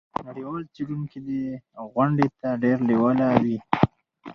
نړیوال څیړونکي دې غونډې ته ډیر لیواله وي.